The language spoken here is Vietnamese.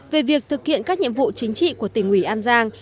về việc thực hiện các nhiệm vụ chính trị của tỉnh ủy an giang